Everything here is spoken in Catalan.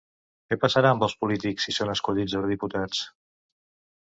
Què passarà amb els polítics si són escollits eurodiputats?